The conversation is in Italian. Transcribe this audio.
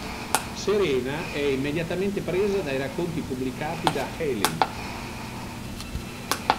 Serena è immediatamente presa dai racconti pubblicati da Haley.